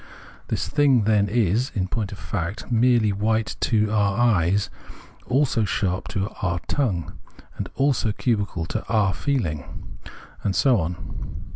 This thing, then, is, in point of fact, merely white to our eyes, also sharp to our tongue, and also cubical to our feehng, and so on.